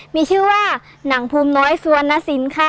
มีชื่อว่าหนังพรุมน้อยสวนศิลป์ค่ะ